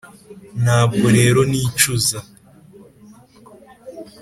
ntabwo rero nicuza,